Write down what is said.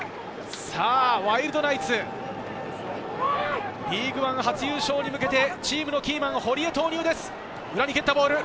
ワイルドナイツ、リードワン初優勝に向けてチームのキーマン・堀江の投入です。